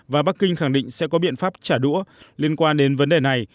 và bắc kinh khẳng định sẽ có biện pháp trả đũa liên quan đến vấn đề này